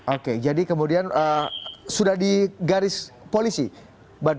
oke jadi kemudian sudah di garis polisi